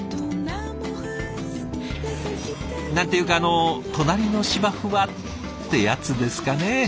何ていうかあの隣の芝生はってやつですかね。